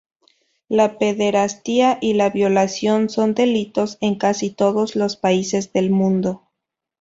La pederastia y la violación son delitos en casi todos los países del mundo.